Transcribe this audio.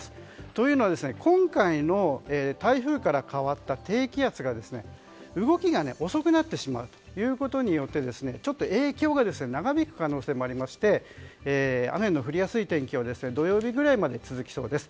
というのも今回の台風から変わった低気圧が動きが遅くなってしまうということによって影響が長引く可能性もありまして雨の降りやすい天気が土曜日ぐらいまで続きそうです。